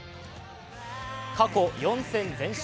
過去４戦全勝。